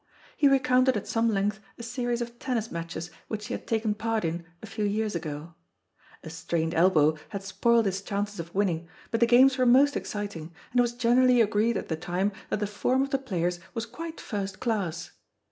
He recounted at some length a series of tennis matches which he had taken part in a few years ago. A strained elbow had spoiled his chances of winning, but the games were most exciting, and it was generally agreed at the time that the form of the players was quite first class.